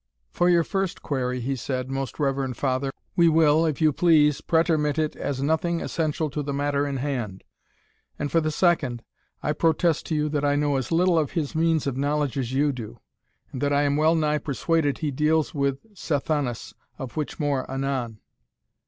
"For your first query," he said, "most reverend father, we will, if you please, pretermit it as nothing essential to the matter in hand; and for the second I protest to you that I know as little of his means of knowledge as you do, and that I am well nigh persuaded he deals with Sathanas, of which more anon.